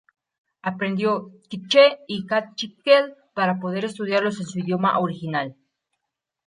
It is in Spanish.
Aprendió k’iche’ y kaqchikel para poder estudiarlos en su idioma original.